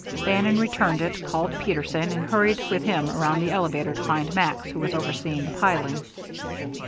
Bannon returned it, called Peterson, and hurried with him around the elevator to find Max, who was overseeing the piling.